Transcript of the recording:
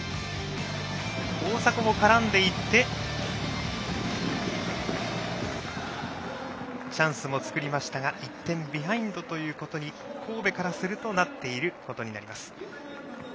大迫も絡んでいってチャンスも作りましたが１点ビハインドということに神戸からするとなっていることになります。